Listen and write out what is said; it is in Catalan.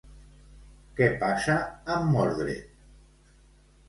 Què passa amb Mordred?